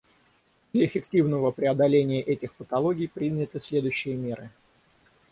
Для эффективного преодоления этих патологий приняты следующие меры.